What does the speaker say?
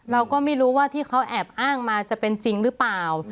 เราก็ไม่รู้ว่าที่เขาแอบอ้างมาจะเป็นจริงหรือเปล่า